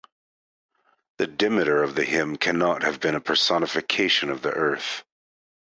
The Demeter of the hymn cannot have been a personification of the earth.